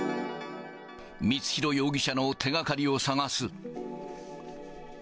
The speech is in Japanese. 光弘容疑者の手がかりを探す。